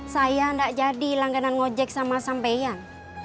saya gak jadi langganan ngojek sama sampeyan